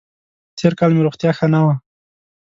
تېر کال مې روغتیا ښه نه وه